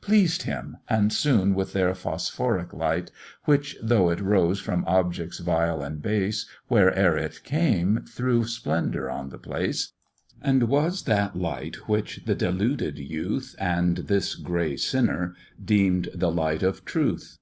Pleased him, and shone with their phosphoric light; Which, though it rose from objects vile and base, Where'er it came threw splendour on the place, And was that light which the deluded youth, And this gray sinner, deem'd the light of truth.